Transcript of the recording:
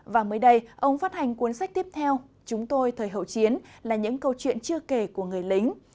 và mới đây ông phát hành cuốn sách tiếp theo chúng tôi thời hậu chiến là những câu chuyện chưa kể của người lính